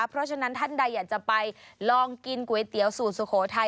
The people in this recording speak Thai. เพราะฉะนั้นท่านใดอยากจะไปลองกินก๋วยเตี๋ยวสูตรสุโขทัย